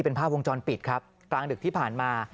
โอ้โหแดงนี่แหละ